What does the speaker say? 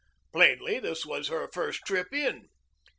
Plainly this was her first trip in.